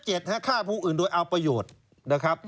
เจ็ดฆ่าผู้อื่นโดยเอาประโยชน์